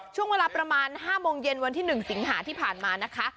ช่วงเวลาประมาณ๕โมงเย็นวันที่๑สิงหาที่ผ่านมานะคะ